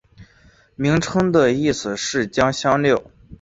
名称的意思是将香料。